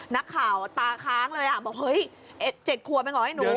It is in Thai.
นักข่าวตาค้างเลยบอกเฮ้ย๗ขวบเองเหรอไอ้หนู